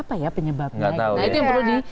nah itu yang perlu di